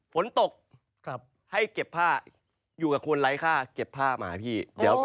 ฝนตกให้เก็บผ้าอยู่กับคนไร้ค่าเก็บผ้ามาพี่เดี๋ยว